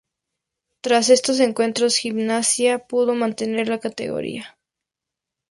Tras estos encuentros Gimnasia pudo mantener la categoría.